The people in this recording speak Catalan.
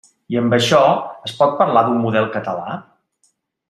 I amb això, ¿es pot parlar d'un model català?